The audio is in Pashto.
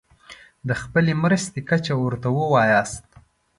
د خپلې مرستې کچه ورته ووایاست.